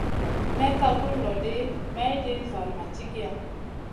May ka gun lo ɗi, mayɗin zall ma cigiya.